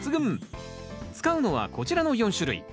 使うのはこちらの４種類。